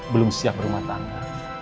belum siap berumah tangga